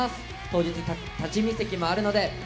当日、立ち見席もあるので。